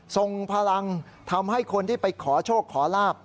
ส่งพลังทำให้คนที่ไปขอโชคขอลาบ